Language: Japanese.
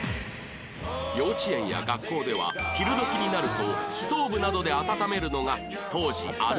幼稚園や学校では昼時になるとストーブなどで温めるのが当時あるあるの光景